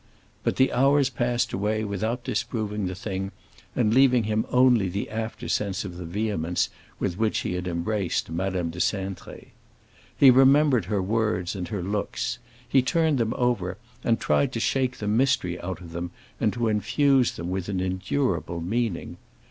But the hours passed away without disproving the thing, and leaving him only the after sense of the vehemence with which he had embraced Madame de Cintré. He remembered her words and her looks; he turned them over and tried to shake the mystery out of them and to infuse them with an endurable meaning.